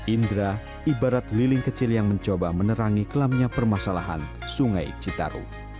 indra ibarat lilin kecil yang mencoba menerangi kelamnya permasalahan sungai citarum